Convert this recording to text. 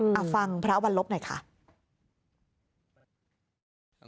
มาฟังพระอบรรลบหน่อยค่ะ